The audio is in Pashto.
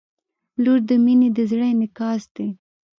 • لور د مینې د زړه انعکاس دی.